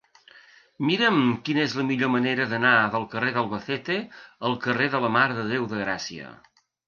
Mira'm quina és la millor manera d'anar del carrer d'Albacete al carrer de la Mare de Déu de Gràcia.